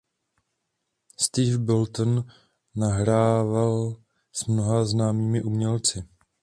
Steve Bolton nahrával s mnoha známými umělci.